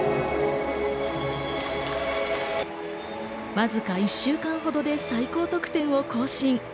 わずか１週間ほどで最高得点を更新。